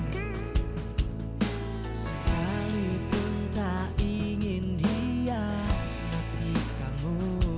sekalipun tak ingin hianat di kamu